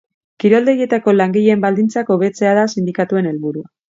Kiroldegietako langileen baldintzak hobetzea da sindikatuen helburua.